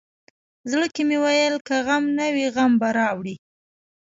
زړه کې مې ویل که غم نه وي غم به راوړي.